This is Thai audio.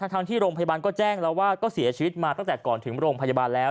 ทั้งที่โรงพยาบาลก็แจ้งแล้วว่าก็เสียชีวิตมาตั้งแต่ก่อนถึงโรงพยาบาลแล้ว